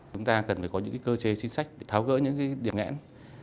chúng ta cần phải có những cơ chế chính sách để tháo gỡ những điểm nghẽn